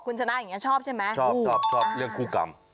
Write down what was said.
คุณชะนาอย่างนี้ชอบใช่ไหมค่ะชอบชอบเลือกคู่กล่าม